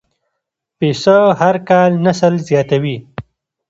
پسه هر کال نسل زیاتوي.